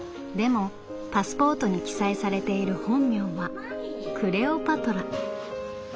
もパスポートに記載されている本名はクレオパトラ」。